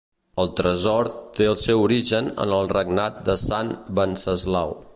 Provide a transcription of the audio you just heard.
El tresor té el seu origen en el regnat de sant Venceslau.